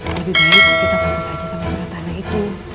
lebih baik kita fokus aja sama surat tanah itu